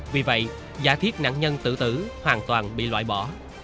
vì vậy giả thiết nạn nhân tử tử hoàn toàn bị loại bỏ